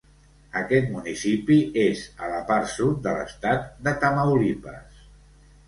Aquest municipi és a la part sud de l'estat de Tamaulipas.